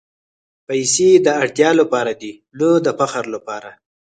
پېسې د اړتیا لپاره دي، نه د فخر لپاره.